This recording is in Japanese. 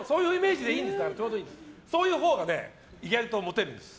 そういうほうが意外とモテるんです。